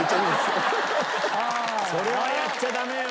それはやっちゃダメよ。